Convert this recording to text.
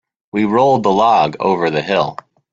We rolled the log over the hill.